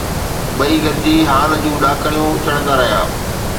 ٻئي گڏجي هال جون ڏاڪڻيون چڙهندا رهيا